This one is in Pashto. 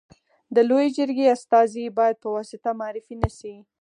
د لويي جرګي استازي باید په واسطه معرفي نه سي.